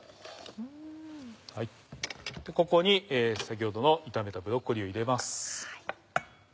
ここに先ほどの炒めたブロッコリーを入れます。